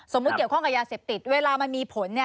เกี่ยวข้องกับยาเสพติดเวลามันมีผล